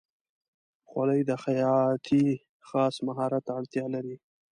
خولۍ د خیاطۍ خاص مهارت ته اړتیا لري.